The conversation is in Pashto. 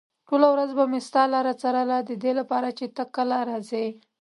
ټوله ورځ به مې ستا لاره څارله ددې لپاره چې ته کله راځې.